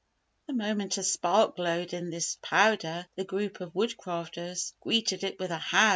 The moment a spark glowed in this powder, the group of Woodcrafters greeted it with a "How!"